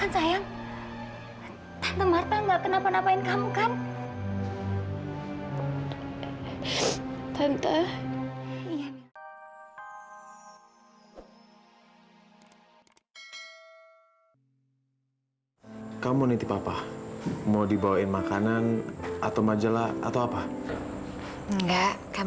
sampai jumpa di video selanjutnya